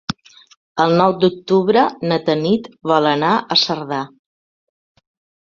El nou d'octubre na Tanit vol anar a Cerdà.